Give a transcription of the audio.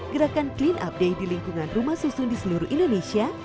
gerakan clean update di lingkungan rumah susun di seluruh indonesia